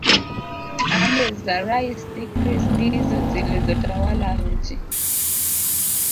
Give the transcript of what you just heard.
Amri za rais decrees ndizo zilizotawala nchi